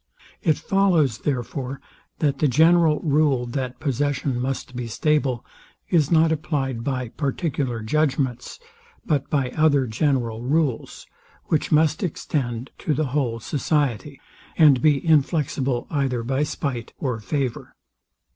It follows therefore, that the general rule, that possession must be stable, is not applied by particular judgments, but by other general rules, which must extend to the whole society, and be inflexible either by spite or favour.